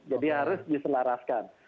jadi harus diselaraskan